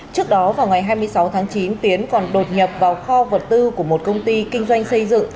trước đó vào ngày hai mươi sáu tháng chín tiến còn đột nhập vào kho vật tư của một công ty kinh doanh xây dựng